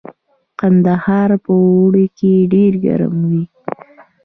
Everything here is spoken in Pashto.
کندهار په اوړي کې ډیر ګرم وي